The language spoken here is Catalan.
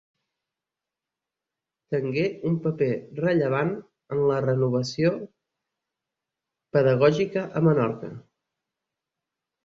Tengué un paper rellevant en la renovació pedagògica a Menorca.